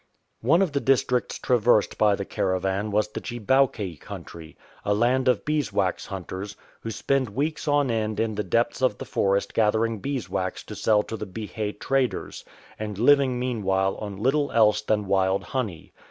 One of the districts traversed by the caravan was the Chibowke country, a land of beeswax hunters, who spend weeks on end in the depths of the forest gathering beeswax to sell to the Bihe traders, and living meanwhile on little else than wild honey.